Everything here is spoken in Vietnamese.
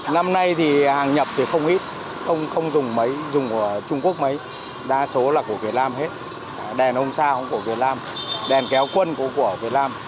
năm nay thì hàng nhập thì không ít không dùng máy dùng trung quốc máy đa số là của việt nam hết đèn ống sao cũng của việt nam đèn kéo quân cũng của việt nam